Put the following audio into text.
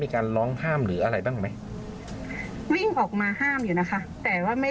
การร้องห้ามหรืออะไรบ้างไหมวิ่งออกมาห้ามอยู่นะคะแต่ว่าไม่